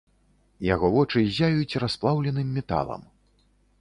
Яго вочы ззяюць расплаўленым металам.